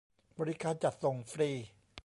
บริการจัดส่งฟรี